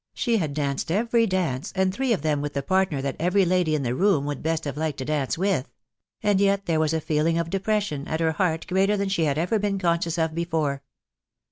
she had danced every dance, and three of them with the partner that every lady in the room would best have liked to dance with ; and yet there was a feeling of depression at her heart greater than she had ever been conscious of before.